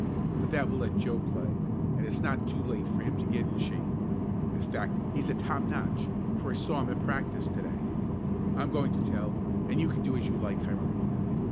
But that will let Joe play, and it's not too late for him to get in shape in fact, he's at top notch, for I saw him practice to day. I'm going to tell, and you can do as you like, Hiram."